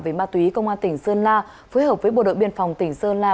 về ma túy công an tỉnh sơn la phối hợp với bộ đội biên phòng tỉnh sơn la